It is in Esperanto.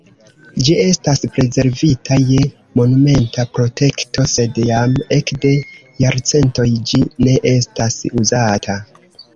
Ĝi estas rezervita je monumenta protekto, sed jam ekde jarcentoj ĝi ne estas uzata.